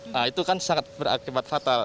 nah itu kan sangat berakibat fatal